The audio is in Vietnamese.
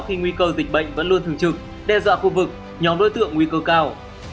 khi nguy cơ dịch bệnh vẫn luôn thường trực đe dọa khu vực nhóm đối tượng nguy cơ cao